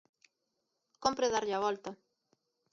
Cómpre darlle a volta.